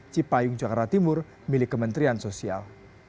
cipayung cakarapusat milik kementerian sosial